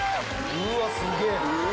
うわすげえ。